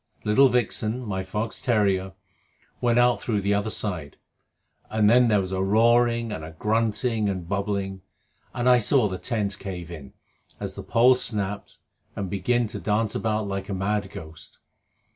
Little Vixen, my fox terrier, went out through the other side; and then there was a roaring and a grunting and bubbling, and I saw the tent cave in, as the pole snapped, and begin to dance about like a mad ghost.